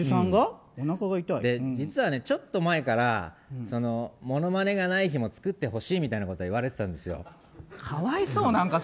実は、ちょっと前からモノマネがない日も作ってほしいみたいなことを言われてたんですよ。